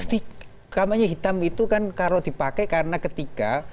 tapi kampanye hitam itu kan kalau dipakai karena ketiga